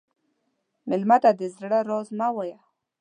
مېلمه ته د زړه راز مه وایه.